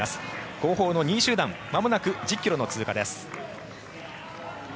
後方の２位集団まもなく１０ｋｍの通過です。